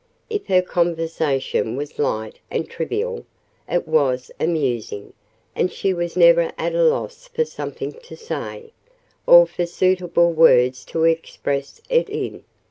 If her conversation was light and trivial, it was amusing, and she was never at a loss for something to say, or for suitable words to express it in.